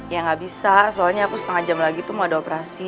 ya nggak bisa soalnya aku setengah jam lagi tuh mau ada operasi